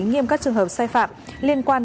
nghiêm cắt trường hợp sai phạm liên quan